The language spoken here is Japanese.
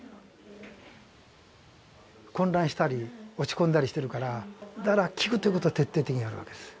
混乱したり落ち込んだりしてるからだから聞くということを徹底的にやるわけです。